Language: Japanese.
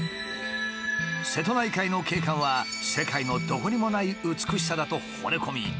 瀬戸内海の景観は世界のどこにもない美しさだとほれ込み